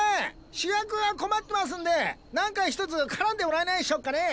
主役が困ってますんで何かひとつ絡んでもらえないっしょっかねえ？